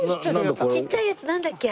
ちっちゃいやつなんだっけ？